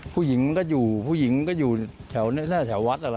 ผู้หญิงก็อยู่ผู้หญิงก็อยู่แถวหน้าแถววัด